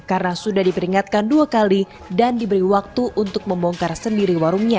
karena sudah diperingatkan dua kali dan diberi waktu untuk memongkar sendiri warungnya